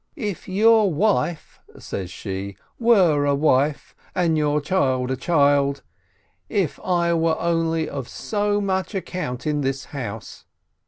"If your wife," says she, "were a wife, and your child, a child — if I were only of so much account in this house